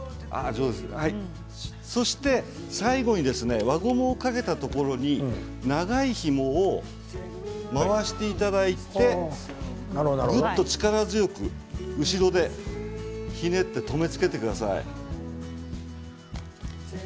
そして最後に輪ゴムをかけたところに長いひもを回していただいて力強く後ろでひねって留めつけてください。